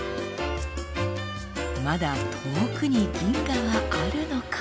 まだ遠くに銀河はあるのか？